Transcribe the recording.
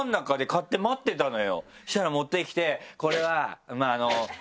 そしたら持ってきて「これはまぁあの」。